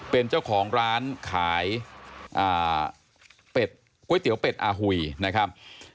เป็นเจ้าของร้านขายเป็ดก๋วยเตี๋ยวเป็ดอาหุยนะครับ